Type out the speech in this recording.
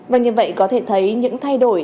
và như vậy có thể thấy những thay đổi